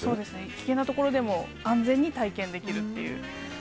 危険な所でも安全に体験できるっていう。